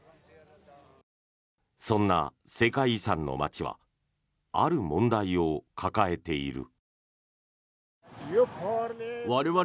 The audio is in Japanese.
そんな世界遺産の街はある問題を抱えている。